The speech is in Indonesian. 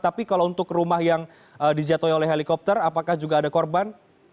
tapi kalau untuk rumah yang dijatuhi oleh helikopter apakah juga ada korban